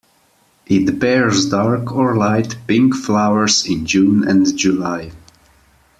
It bears dark or light pink flowers in June and July.